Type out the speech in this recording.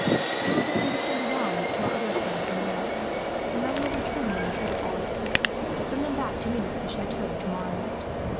"I will get him to send around to our other friends, in the morning. The men will return when they see that all is clear. Send them back to meet us at the chateau, tomorrow night."